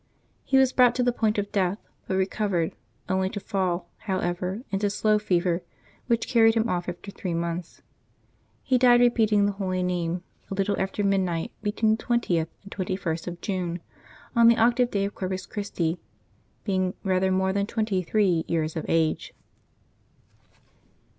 He was brought to the point of death, but recovered, only to fall, however, into slow fever, which carried him off after three months. He died, repeating the Holy Name, a little after midnight between the 20th and 21st of June, on the octave day of Corpus Christi, being rather more than twenty three years of age.